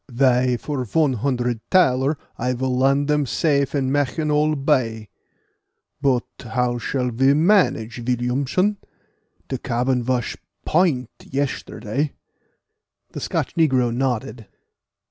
"Vy, for von hondred thaler I will land dem safe in Mancheoneal Bay; but how shall ve manage, Villiamson? De cabin vas point yesterday." The Scotch negro nodded.